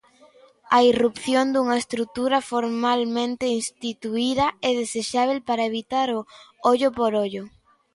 A irrupción dunha estrutura formalmente instituída é desexábel para evitar o "ollo por ollo".